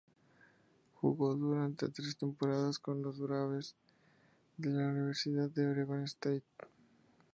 Jugó durante tres temporadas con los "Beavers" de la Universidad de Oregon State.